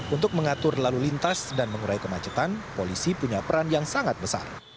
untuk mengatur lalu lintas dan mengurai kemacetan polisi punya peran yang sangat besar